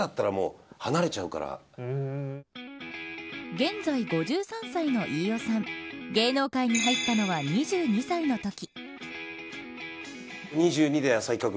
現在５３歳の飯尾さん芸能界に入ったのは２２歳のとき。